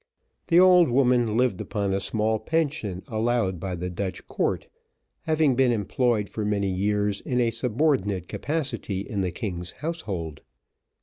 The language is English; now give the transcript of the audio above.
The old woman lived upon a small pension allowed by the Dutch court, having been employed for many years in a subordinate capacity in the king's household.